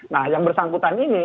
nah yang bersangkutan ini